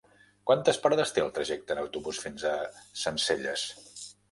Quantes parades té el trajecte en autobús fins a Sencelles?